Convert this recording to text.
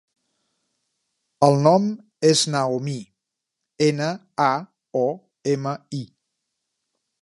El nom és Naomi: ena, a, o, ema, i.